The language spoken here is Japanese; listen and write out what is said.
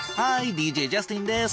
ＤＪジャスティンです。